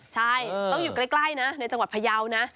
ใช่ต้องอยู่ใกล้นะในจังหวัดพยาวนะ